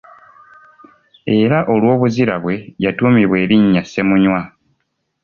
Era olw’obuzira bwe yatuumibwa erinnya Ssemunywa.